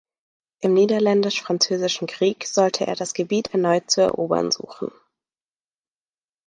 Im Niederländisch-Französischen Krieg sollte er das Gebiet erneut zu erobern suchen.